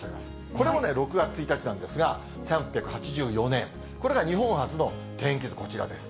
これもね、６月１日なんですが、１８８４年、これが日本初の天気図、こちらです。